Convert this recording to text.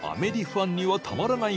ファンにはたまらない